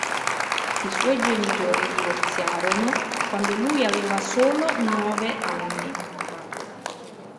I suoi genitori divorziarono quando lui aveva solo nove anni.